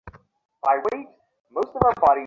আরে, তুমিই তাহলে হা-না।